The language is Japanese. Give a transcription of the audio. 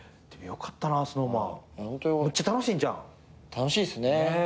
楽しいっすね。